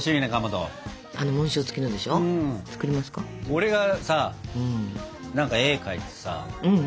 俺がさ何か絵描いてさ。